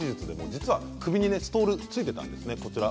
実は首にストールついていたんですね。